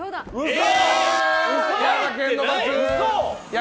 嘘！